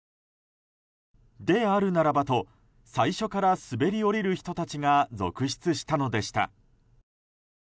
で、あるならばと最初から滑り降りる人たちが続出したのでした。